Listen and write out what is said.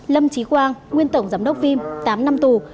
lâm trí quang nguyên tổng giám đốc vim tám năm tù